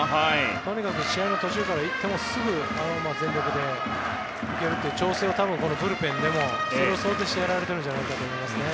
とにかく試合の途中からいってもすぐに全力でいけるという調整を多分ブルペンでも想定してやられてるんじゃないかと思います。